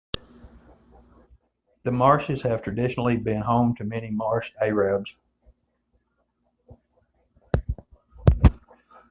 The marshes have traditionally been home to many Marsh Arabs.